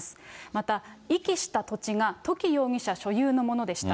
また、遺棄した土地が、土岐容疑者所有のものでした。